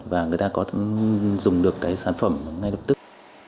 và người ta có dùng được cái sản phẩm ngay lập tức